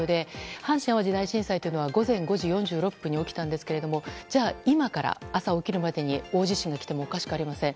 阪神・淡路大震災というのは午前５時４６分に起きましたが今から朝起きるまでに大地震が起きてもおかしくありません。